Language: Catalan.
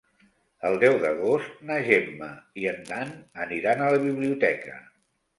El deu d'agost na Gemma i en Dan aniran a la biblioteca.